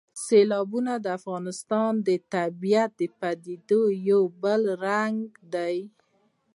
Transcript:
سیلابونه د افغانستان د طبیعي پدیدو یو بل رنګ دی.